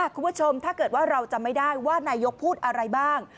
คุณผู้ชมถ้าเกิดว่าเราจำไม่ได้ว่านายกพูดอะไรบ้าง